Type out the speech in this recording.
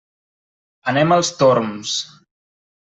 Anem als Torms.